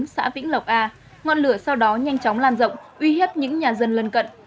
xã vĩnh lộc a ngọn lửa sau đó nhanh chóng lan rộng uy hiếp những nhà dân lân cận